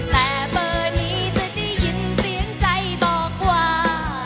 แต่เบอร์นี้จะได้ยินเสียงใจบอกว่า